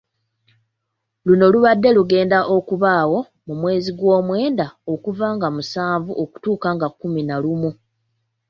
Luno lubadde lugenda okubaawo mu mwezi gw'omwenda okuva nga musanvu okutuuka nga kumi na lumu.